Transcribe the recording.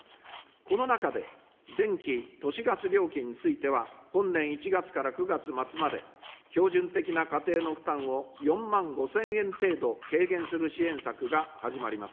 この中で、電気・都市ガス料金については、本年１月から９月末まで、標準的な家庭の負担を４万５０００円程度軽減する支援策が始まります。